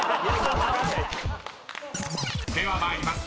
［では参ります。